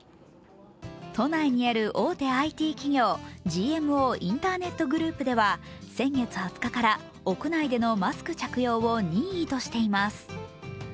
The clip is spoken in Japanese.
都内にある大手ＩＴ企業ＧＭＯインターネットグループでは先月２０日から屋内でのマスク着用を任意としています。